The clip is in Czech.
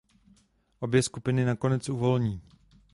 Obě skupiny nakonec uvolní.